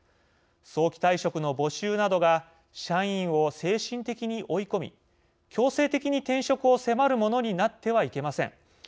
早期退職の募集などが社員を精神的に追い込み強制的に転職を迫るものになってはいけません。